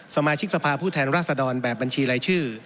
สมาชิกสภาพผู้แทนราษฎรแบบบัญชีรายชื่อ